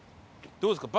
どうですか？